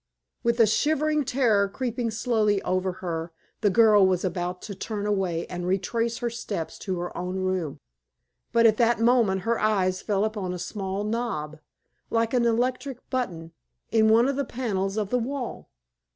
With a shivering terror creeping slowly over her, the girl was about to turn away and retrace her steps to her own room; but at that moment her eyes fell upon a small knob, like an electric button, in one of the panels of the wall.